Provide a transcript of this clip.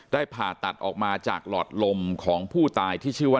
ผ่าตัดออกมาจากหลอดลมของผู้ตายที่ชื่อว่า